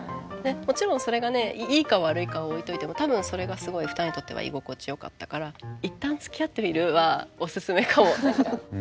もちろんそれがねいいか悪いかは置いといても多分それがすごい２人にとっては居心地よかったから「一旦つきあってみる？」はお勧めかも。